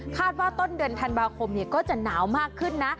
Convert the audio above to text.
คาดว่าต้นเดือนธันบาคมเนี่ยก็จะหนาวมากขึ้นนะ